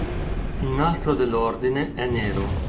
Il nastro dell'Ordine è nero.